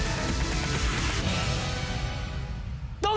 どうぞ！